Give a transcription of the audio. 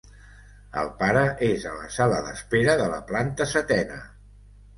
El pare és a la sala d'espera de la planta setena.